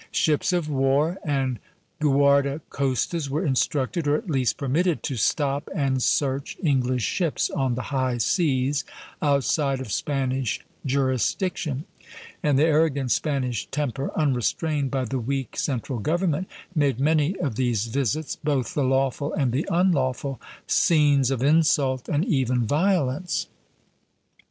Ships of war and guarda costas were instructed, or at least permitted, to stop and search English ships on the high seas, outside of Spanish jurisdiction; and the arrogant Spanish temper, unrestrained by the weak central government, made many of these visits, both the lawful and the unlawful, scenes of insult and even violence.